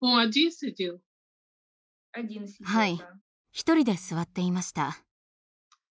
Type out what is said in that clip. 一人で座っていました。